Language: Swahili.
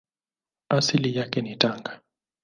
Asili yake ni Tanga.